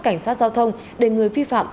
cảnh sát giao thông để người vi phạm